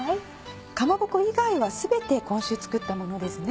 かまぼこ以外は全て今週作ったものですね。